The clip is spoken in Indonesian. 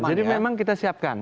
jadi memang kita siapkan